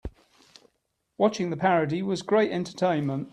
Watching the parody was great entertainment.